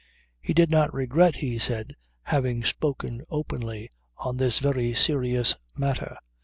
He did not regret, he said, having spoken openly on this very serious matter.